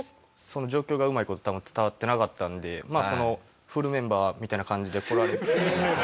その状況がうまい事多分伝わってなかったんでフルメンバーみたいな感じで来られて。